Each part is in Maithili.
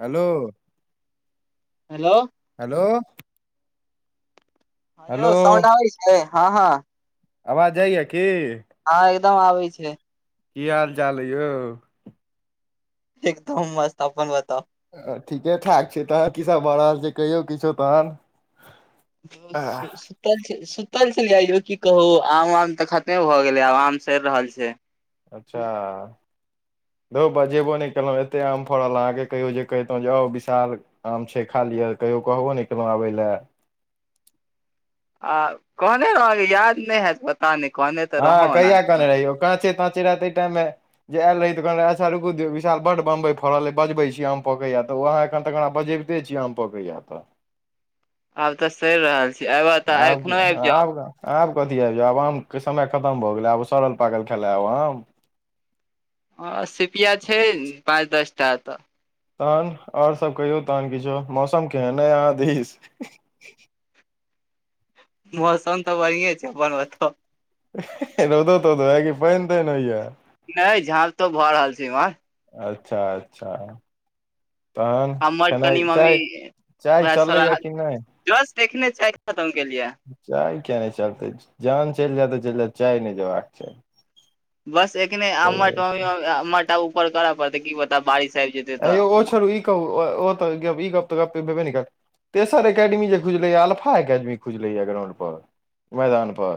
हेलो। हेलो। हेलो। हेलो हँयो साउंड आबै छै हँ हँ। आवाज जाइए की। हँ एकदम आबै छै। की हाल चाल अइ यौ। एकदम मस्त अपन बताव ह ठीके ठाक छै तहन की सब भऽ रहल छै कहियो किछो तहन। द। आह, सुतल सुतल चलि जाइयो की कह आम आम तऽ खतमे भए गेले आब आम सड़ रहल छै। अच्छा। रौ बजेबो नहि केलहुँ एतेक आम फड़ल अहाँकेँ कहियो जे कहितहुँ जे आउ विशाल। आम छै खा लियअ कहियो कहबो नहि केलहुँ आबय लए। आ कहने रहाँके याद नहि हयैत पता नहि कहने तऽ रहौ ओ। ना कच छै तच रहतै टाइमे। जे आयल रह तऽन अच्छाुकु विशाल बड बम्ई फड़ले बजबै छी आम फकैया तऽ ओहाँखन तऽकरा बजे छीिय आम पकय त। आब तऽ सरिि रहल छी अबह तऽ आब की एखनो आबि जाउ आब आब कथी आबि जायौ आब आमके समय खतम भऽ गेलै आब सड़ल पाकल कै खेलायब आम। ह सिपिया छै पाँच दस टा तऽ। तहन और सब कहियौ तहन किछो मौसम केहन आय अहादिस मौसम तऽ बढिए छै अपन ओतऽ। रौदो तऽ तो है की पैन तै ने होइय। नहि झाँप तो भऽ रहल छै इमहर। अच्छा अच्छा। तहन हमर केेनाइ कनि मम्मी चाय चाय चललैया कि नहि। जस सिखने छै देसेहखखने चाही ने तुम के लि। चाय केिया नहि चलतै जान चएल जाय तै चैल जाय चाय नहि जयबाक चाही बस एखने आमट सही मम्मी मम्मी आँ आमट ऊपर करऽ पड़तै की पता बारिश आइब जेतै अय यो ओ तऽ छोरू ई कहू अँ ओ तै गैप इ गप तऽ गप भे भेबे न कर तेसर एकेडमी जे खुजलैए अलफा एकेडमी खुजलेए ग्राउंड पर मैदानपर।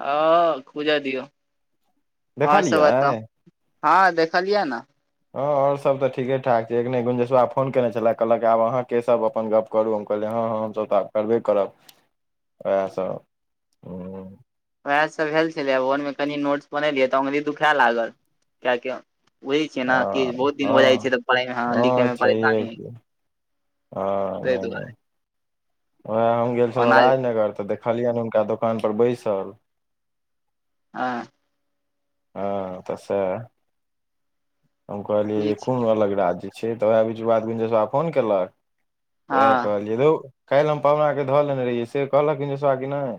ह खूजा दियऔ आओर सब बताउ। देखलियै हँ देखलियै ने। हँ आओर सभ तऽ ठीके ठाक छैखने गुंजेश बाब फोन केने छलथि कहलक आब अहाँ के सभ अपन गप। करू हम कहलियै ह ह हमसब तऽ आब करबे करब वएह सब हम्म वएह सब भेल छलैब वनमे कनी नोट्स बनेलियै तऽ अंगुरी दुखा लागल कियाकि बुझै छियै नहि कि हँ बहुत दिन हो जाइ छै हँ तऽ पढ़े मे ह लिखै मे परेशानी होय छै ह नहि नहि वएह हम गेल छलहुँ ओना राजनगर तऽ देखलियन हुनका दोकान पर बैसल ह ह त सैह हम कहली जे ठीक छै कुन अलग राज्य छे तऽ वएह बीजूआ बिंदेसुआ फोन केलक तऽ हँ उएह कहलियै धौ काल्हि हम पवनाके धऽ लेने रहियै से कहलक बिंदेसुआ कि नहि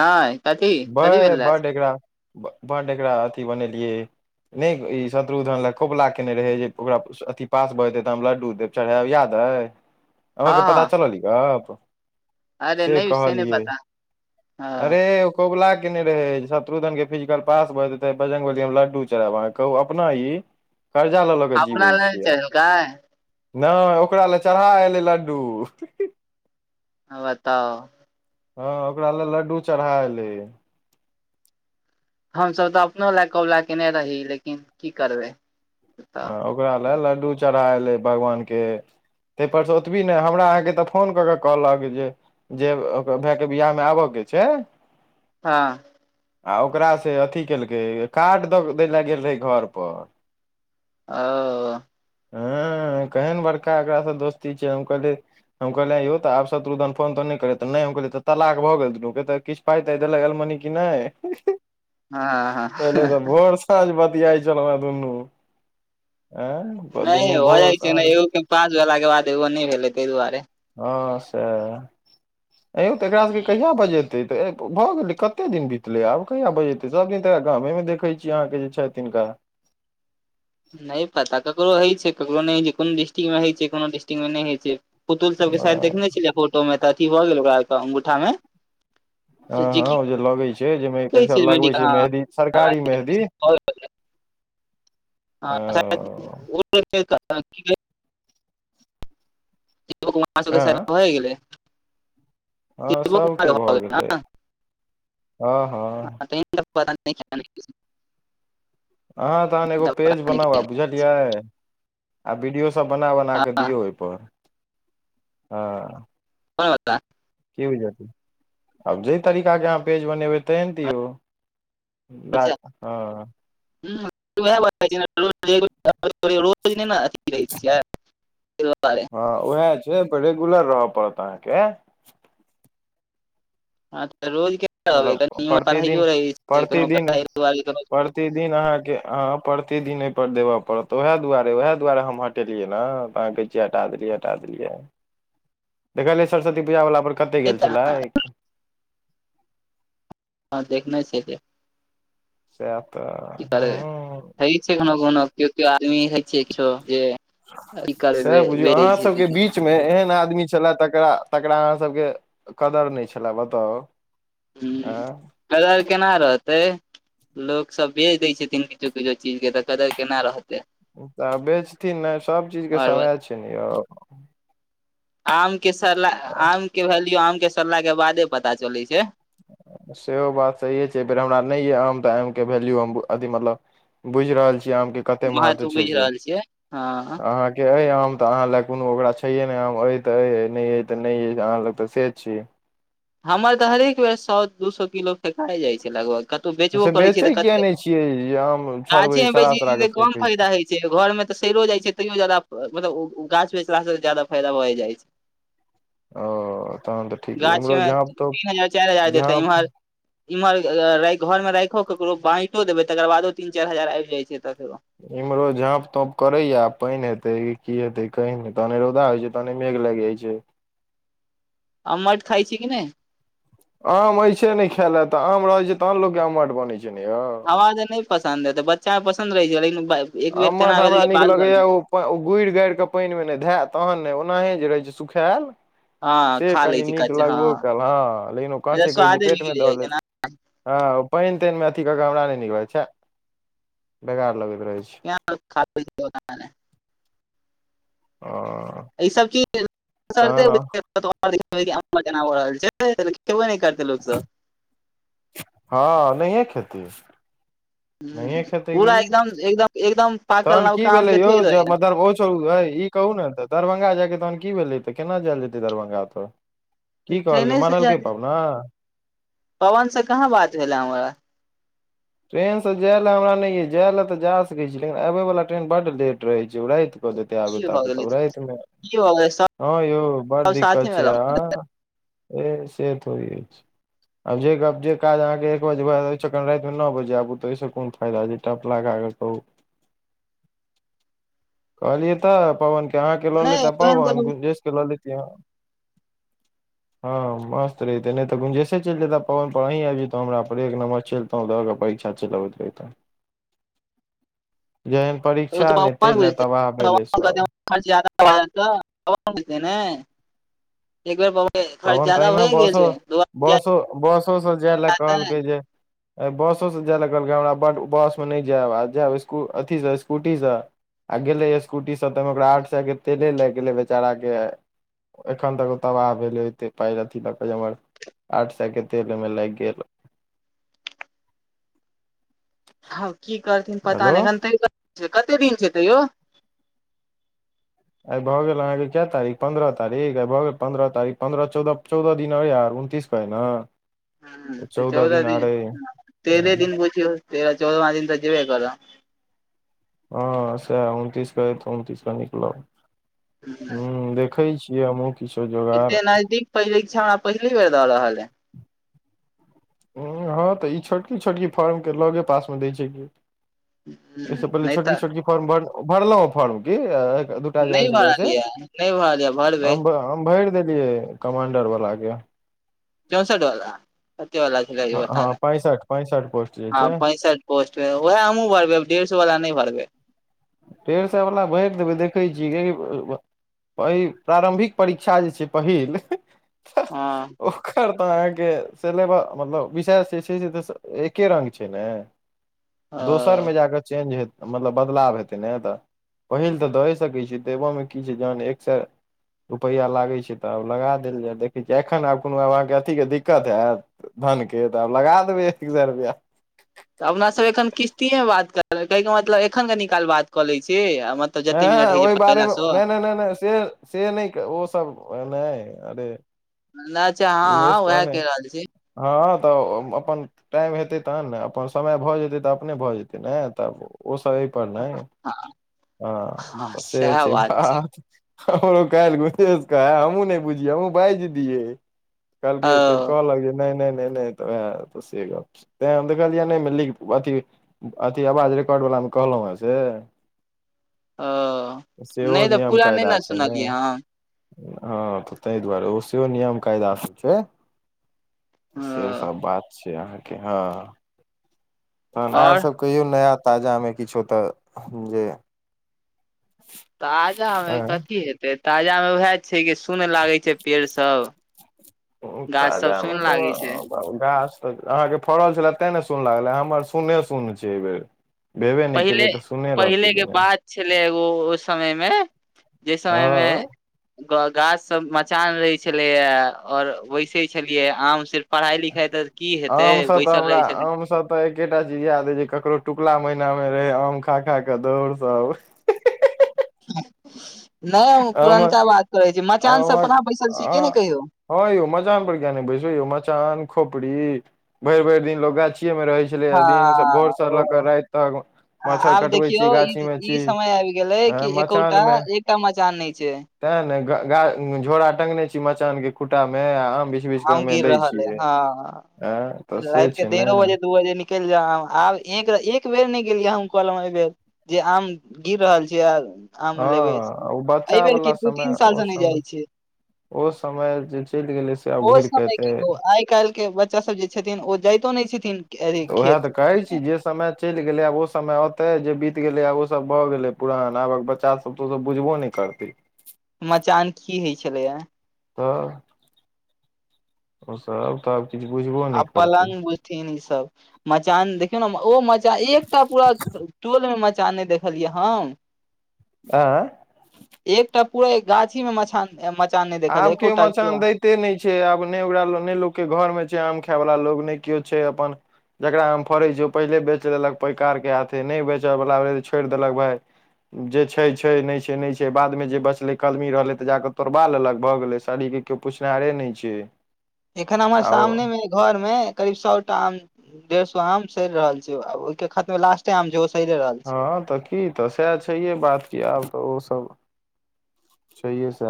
नहि कथी कथी बैय भेल बड्ड रहे एकरा बड्ड एकरा अथी बनेलियै नहि ई शत्रुधन लऽ कोबला केने रहै जे ओकरा अथिपास भऽ जेतै तऽ हम लड्डू देब चढ़ायब याद अइ अहाँ हँ के पता हँ चलल इ गप अरे से नहि नहि कहलिये पता अरे हँ कोबला केने रहे जे शत्रुधन के फिजिकल पास ब देते बजरंगबलीहमलड्डू चरढैबकहू अपना ई कर्जा लऽ लऽ के जीवै अपना लग छियै चलकै नहि ओकरा ले चराएह एलै लड्डू ह बताऔ ह ओकरा ले लड्डू चराएह एलै यै हम सब तऽ अपनो ल कोबला केने रही लेकिन की करबै तऽ ह ओकरा लए लड्डू चढ़ाए लै भगवानके तें परसे ओतबी नय हमरा अहाँके तऽ फोन कऽ के कहलक जे जे ओकर भैएके बिआहमे आबक छै [unintelligible] आ‌ ओकरा से अथी केलकै कार्ड द देैले गेल रहै घर पर [unintelligible] हँ केहन बड़का एकरा से दोस्ती छै हम कहलियै हम कहलिए यायो तऽ आब शत्रुधन फोन तोन नइ करेए तऽ नय तऽ हम कहलिये तऽ तलाक भऽ गेलछु फेर तऽ किछ पाय ताय देलक एलोमनी‌ कि नय हँ हँ पहिले तऽ भोर स साँझ बतियाए छलोह दुनू अएह नय यो भजाय छै ने एगो कऽ पास भेलाके बाद एगो नय भेलै तै दुआरे ह सएह ऐयौ तऽ एकरा सबके कहिया बजै ते ऐ भऽ गेलै कते दिन बीतलै आब कहिया बजेैते सब दिन तऽ गामे मे देखै छियै अहाँके जे छै तिनका नइ पता ककरो होइ छै ककरो नइ होइ छै कुनो डिस्टिक मे होइ छै कोनो डिस्टिक मे नइ होइ छै पुतुल सब अ के सायद देखने छिलियै फोटो मे तऽ अथी भऽ गेलै ओकरा आर के अंगूठा मे [inaudible] ह ह उ जे लगै छै जेमे कहै [unintelligible] गेलै लगबै छै मेहदी सरकारी मेहदी ओ [inaudible] हँ हँ सबके भऽ गेलै [inaudible] हँ हँ [inaudible] अहाँ तहन एगो पेज दबाने बनाउ की आ बुझलियै आ वीडियो सब बना बना कऽ हाँ दियौ ओय पर हैं [inaudible] की बुझहलिन आब जे तरीकाके अहाँ पेज बनेबै तेैहन दियौ अच्छा [unintelligible] [inaudible] [inaudible] हँ उएह छै रेगुलर रहय पड़त अहाँके हँ तऽ रोज केना रहबै मतलब कनि इम प्रतिदिन पढ़ाइयो रहै छै [inaudible] प्रति दिन अहाँके प्रति दिन एहि पर देबऽ पड़त वहि दुआरे वहि दुआरे हम हटेलियै ने अहाँ कह हटा देलियै हटा देलियै देखलिए सरस्वती पूजा वला पर कते गेल छलै [inaudible] सेअ तऽ की कर बय हँ हेय छै कोनो कोनो केओ केओ आदमी हइ छै जे सएह बुझियौ अहाँ सबके [inaudible] बीच मे एहन आदमी छलए तकरा तकरा अहाँ सबके कदर नइ छलए बताउ हुं आँ कदर केना रहतै लोक सब बेच दय छथिन किछो किछो चीज के तऽ कदर केना रहत तऽ बेचथिन नै सभ चीजके आओर समय छै ने यौ आम के सरलाह आम के वैल्यू आम के सरलाह के बादे पता चले छै सेहो बात सहीए छै अए बेर हमरा नइ यए आम तऽ आमके वैल्यू हम अथी मतलब बुइझ रहल छी आम के कते महत्व छै बुझि से रहल छियै हँ अहाँके आम तऽ अहाँ लग कोनो ओकरा छैये ने आम अहाँ लग तऽ से छीियै [unintelligible] हमर तऽ हरेक बेर सो दू सो किलो फेेक जाइ छै लगभग कतौ तऽ बेचबो से करै छियै तऽ बेचै किया कते नहि छियै जे आम छोड़बै गाछे मे सड़ा बेचै छी सड़ा कऽ तऽ कम फेेकै छी फायदा होय छै घरमे तऽ सड़िो जाइ छै तैयो ज्यदा मतलब ओ गाछ बेचलाास से ज्यदा फायदा भए जाइ छै ओ तहन तऽ ठीके गाछ तीन हजार चारि हजार देत इम्हर इम्हर घर में राखो केकरो बाटो देबे तकर बादो तीन चारि हजार आबि जाय छै तऽ फो इमेरो झाँप तोप करैय पैन हतय कीतै कै तऽने रो द हो छै तनि मेघ लागि जाइ छै अमट खा छी कि नहि आम एछै नहि खाय ले तऽ आम रहै छै तहन लोकोग के आम मठ बनै छै नऽ यौ ह नहि पसन्द है तऽ बच्चा पसन्द रहै छै लेकिन एक बेर तेना आमठ भेलै हमरा कि नीक बालू बालू लगैया ओ ओ गुड़ि गारि कऽ पानिमे नहि धय तहन ने ओनाहे जे रहै छै सुखायल हँ से खा लै कनि छै नीक कच्चे हँ लगबो कल हँ लेकिन ओ अच्छा कहाँचे कहै छै स्वादे बिगड़ पेटमे जाइ धऽ छै लेत हँ ओ पानि तानिमे अथी कऽ क हमरा नहि निक लैत छै बेकार लगैत रहै छै [unintelligible] ओ ई सब चीज तहन [unintelligible] खेबो नहि करतै लोक सब हँ नहिएै खेतय नहिे ह खेते की पूरा एकदम एकदम एकदम पाकल तहन की नवका आम भेले के यौ थोड़ि [unintelligible] रहै ई कहु ने तऽ दरभंगा जायके तहन की भेलै तऽ केना जायल जेते दरभंगा तऽ छै। की कहलक ट्रेने से जा मानलकै पाबना पवन से कहाँ बात भेले हमरा ट्रेन से जाय लए हमरा नहि यऽ जाय ले तऽ जा सकैत छी लेकिन आबय वला ट्रेन बड लेट रह छै ओ रा की आबेत भऽ आबेत गेलै राईत की भऽ गेलै सब हँ यौ बड़ साथे दिक्कत मे छै रह आ ए से त होइ अछि आब जे जे काज अहाँके एक बज रा न बजे आबू तऽहिससँ कोन फायदा छै टप लगााकऽ कहू कहलियै तऽ पवन के, अहाँ के लऽ नहि लेता एहन कोनो पवन गुेरजेश के लऽ ले हम हँ मस्त रेते नहि तऽ गुंजेशसे चलि जेता पवन पर, अहीं आयब जेत हमरा पर एक नंबर चल तऽऽ परीक्षा चलबैत रहै तऽ जेहन परीक्षा ने तै लए तबाह भेलै सब जे एक बेर ब [unintelligible] पबन तहिना बसो बसो बसोसँ जाय लए कहलकै जे बसो से जाय ल कहलकै हमरा, बडड बस मे नहि जायब आ जायब स् अथी से स्कूटी से आ गेले स्कूटी से तऽ ओकरा आठ सए के तेले लागि गेलै बेचारा के एखन तक ओ तबाह भेलै पर आठ सए के तेल ओमे लागि गेल [unintelligible] हँ की करथिन पता हेलो नहि, एखन त कते दिन छै तैयो? आइ भऽ गेल अहाँके क तारीख पन्द्रह तारीख, आइ भऽ गेल पन्द्रह तारीख, पन्द्रह चौदह चौदह दिन अर उनतीस के होय नऽ हूँ चौदह दिन, तेरे दिन बुझियो, तेरह चौदहमा दिन तऽ जेबे करऽ हँ अ ह उनतिस क त उनतिस क निकलब ह देखै छियै हमहुँ की एते नजदीक परीक्षा पहिले बेर दऽ रहल है हँ तऽ ई छोटकी छोटकी फॉर्म केँ लगे पासमे दै छै की अइ आइस पहिले नहि छोटकी तऽ छोटकी फर्म भरलों फर्म दूटा नहि जै भरल से ये नहि भरल ये [inaudible] भरबै हम भैर देलियै कमांडर वाला केँ चौंसठ वला [inaudible] कते वला छल हँ बता हँ ने पैंसठ पैंसठ पोस्ट जे हँ छै [inaudible] पैंसठ पोस्ट रहै ओहै हमहुँ भरबै डढ़ सो वला नै भरबै डेढ़ सै वला भैर देबै देखै छियै किया की पर ई प्रारम्भिक परीक्षा जे छै पहिल हँ ओर कऽ अहाँकेँ सिलेबा मतलब विशेष जे छै से एके रंग छै ने [inaudible] ओ दोसरमे जाक चेंज हेत मतलब बदलाव हेतै नै तऽ पहिल तऽ दऽ सकैत छी देबामे की छै जहन एक सै रुपैआ लागै छै तऽ आब लगा देल जाय देखै छियै एखन आब कोनो आब अहाँकेँ अथी केँ दिक्कत होयत धन केँ तऽ आब लगा देबै एकतीस हजार रुपैआ तऽ अपना सभ एखन किश्तीएमे बात करै कहे कऽ मतलब एखन कनिकाल बात कऽ लै छी आ हँ जते मिनट हँ होइ छै ओहि पहिला बारेमे स नहि नहि नहि नहि से से नहि ओसभ नहि अरे [unintelligible] उहे हँ सऽ उएह काने कहि रहल छी हँ तऽ अपन टाइम हेतै तहन न अपन समय भऽ जेतै तऽ अपने भऽ जेतै ने तब ओसभ एहिपर [inaudible] नै हँ तऽ से छै बात हमरो कायल [unintelligible] कहय हमू नै बुझिय हमहुँ बाजज दिय ओ कहलके फेर कहल लै नै नै नै नै तैय ऐत से गप्प छै तै हम देखलिए नै [unintelligible] अथि आवाज रिकॉर्डवला में कहलु है से ओ [inaudible] सेहो नहि तऽ नियम पूरा नहि कायदा छै ने सुनलियै हम हँ तऽ तैय दुआरे ओ सिओ नियम कायदा स छै [inaudible] से ओ सब बात छै अहाँ केँ हँ [inaudible] तहन अहाँ आओर सब कहियो नया ताजा में किछो तऽ जे ताजा में आँय कथी हेतै ताजा मे उएह छै कि सुन लागै छै पेड़ सब उ गाछ सब ताजा मे सुन तऽ लागे छै ओ आम गाछ तऽ अहाँ केँ फड़ल छलै तैं ने सुन लागलै एम्हर सुने सुन छै एहि बेेर भेबे नहि पहिले केलै तऽ सुने रहतै पहिले कि केँ नहि बात छलै एगो ओ समय मे जे समय मे हँ ग गाछ सब मचान रहे छलेया आ और वैसे छलियै आम सिर्फ पढ़ाइ लिखाइ तऽ की हेतै आमसँ तऽ बैसल रहै छथिन आमसँ हमरा एकेटा चीज याद हे जे ककरो टुकला महिना मे रहे आम खा खा केँ दौड़ सब [unintelligible] नै ओ आमक पुरनका बात करै छी। मचान सब पर आमक अहाँ सब बैसल छी अ की नै कहियौ हँ यौ मचान पर किया नै बैस यौ मचान खोपरी भैर भैर दिन लोग गाछिये में रहे छै हँ ओ तक [inaudible] आ मच्छर आब कटबै छी देखियौ गाछी मे ई छी समय आइब गेले कि एकोटा मचान मे एकटा मचान नै छै। तें नै ग झोराा टंगने छी मचान केँ खुटा में आ आम बिछेछी आम गिर रहल है हँ एं तऽ [inaudible] से रात केँ छै ने डेरो बजे दू बजे निकले निकैल जाउ आब एक एक बेर नै गेलियै कहलों कहनो आइबेर जे आम गिर रहल छै आर आम लेबै हँ ओ बच्चा एहिबेर वाला की दू तीन समय साल ओ से नहि समय जाइ छीयै। ओ समय जे चलि गेलै से आब ओ घुरि के समय एतै की कहू आइ काइल के बच्चा सब जे छथिन ओ जाइतो नहि छथिन। अथी उएह खेत तऽ कहै छी मे। जे समय चलि गेलै आब ओ समय औते जे बीत गेले आ ओ सब भए गेले पुरान आबक बच्चा सब तब तो त बुझबो नहि करतै। मचान की होइ छलैया। त ओसभ तह आब किछु बुझबो नहि करतै। थीन ई सब मचान देखियौ ने ओ मचान एकटा पूरा टोल मे मचा नहि देखलियै हम। आय? एकटा पूरा इ गाछी मे मचान नहि देखल एकोटा पूरा। ते नहि छैय आब नहि ओकरा नहि लोकके घरमे छैय आम खाायवला लोक नहि केओ छैय अपन जकरा आम फड़ै छियै ओ पहिले बेच लेलक पैकारके हाथे नहि बेचयवला भेल रहल तऽ छोड़ि देलक भाय। जे छैय छैय नहि छैय नहि छैय बाद में जे बचलै कलमी रहले ते जाके तोड़बा लेलक। भऽ गेलै शरीर केओ पुछनाहारे नहि छैय। एखन हमर सामने मे घर मे करीब सौटा आम डेढ़ सए आम सैर रहल छैय ओहिके खतमे लास्टे आम छैय सरि रहल छै हँ तऽ की तऽ सएह छैहे बात की आब तऽ ओ सब छैहे सएह की।